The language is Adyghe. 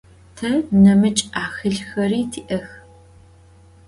Te nemıç' 'ahılxeri ti'ex.